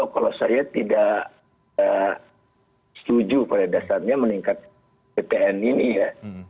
kalau saya tidak setuju pada dasarnya meningkat ppn ini ya